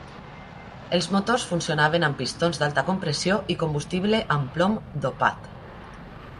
Els motors funcionaven amb pistons d'alta compressió i combustible amb plom "dopat".